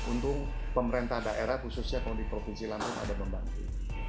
untung pemerintah daerah khususnya kalau di provinsi lampung ada membantu